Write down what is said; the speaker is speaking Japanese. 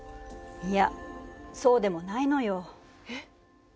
いやそうでもないのよ。えっ？